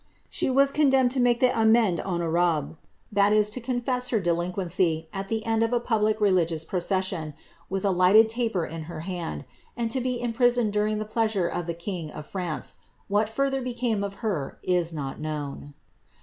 She was con demned to make the amende honorable — that is, to confess her delin quency, at the end of a public religious procession, with a lighted taper in her hand, and to be imprisoned during the pleasure of the king of France. What further became of her is not known.'